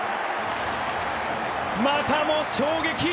またも衝撃！